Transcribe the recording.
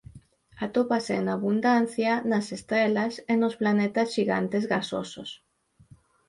Atópase en abundancia nas estrelas e nos planetas xigantes gasosos.